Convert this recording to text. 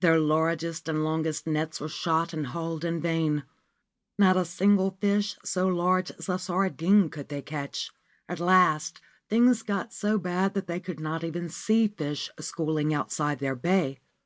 Their largest and longest nets were shot and hauled in vain. Not a single fish so large as a sardine could they catch. At last things got so bad that they could not even see fish schooling outside their bay.